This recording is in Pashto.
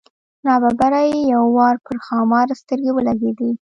نا ببره یې یو وار پر ښامار سترګې ولګېدې.